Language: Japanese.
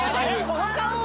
この顔は？